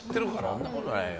そんなことないよ